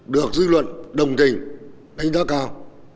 được dư luận đồng tình đánh giá cao